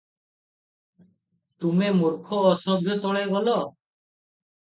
ତୁମେ ମୁର୍ଖ ଅସଭ୍ୟ ତଳେ ଗଲ ।